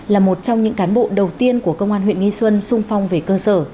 là một trong những cán bộ đầu tiên của công an huyện nghi xuân sung phong về cơ sở